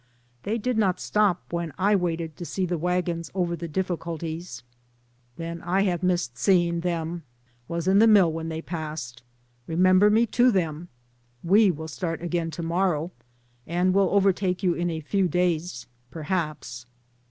"They did not stop, when I waited to see the wagons over the difficulties." "Then I have missed seeing them; was in the mill when they passed. Remember me to them. We will start again to morrow, and will overtake you in a few days, per haps."